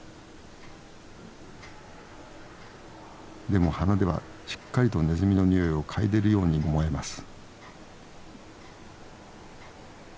でも鼻ではしっかりとネズミのにおいを嗅いでるように思えます。